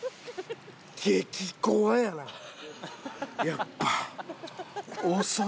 やっぱ。